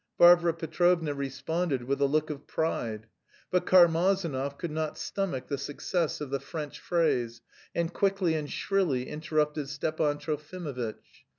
Varvara Petrovna responded with a look of pride. But Karmazinov could not stomach the success of the French phrase, and quickly and shrilly interrupted Stepan Trofimovitch.